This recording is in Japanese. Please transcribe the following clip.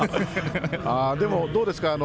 でも、どうですか。